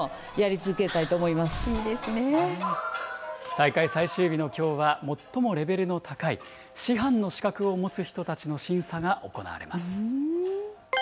大会最終日のきょうは、最もレベルの高い、師範の資格を持つ人たちの審査が行われます。